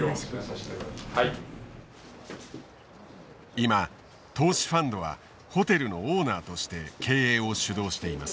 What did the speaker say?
今投資ファンドはホテルのオーナーとして経営を主導しています。